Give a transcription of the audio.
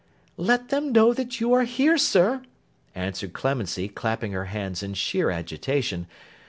'Let them know that you are here, sir,' answered Clemency, clapping her hands in sheer agitation.